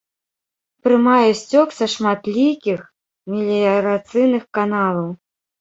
Прымае сцёк са шматлікіх меліярацыйных каналаў.